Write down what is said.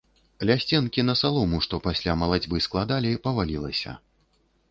Ля сценкі на салому, што пасля малацьбы складалі, павалілася.